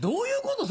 それ。